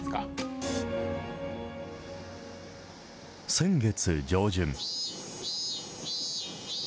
先月上旬。